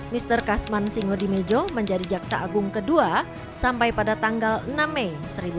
mr kasman singodimejo menjadi jaksa agung kedua sampai pada tanggal enam mei seribu sembilan ratus enam puluh